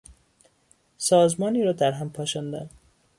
سازمانی را درهم پاشاندن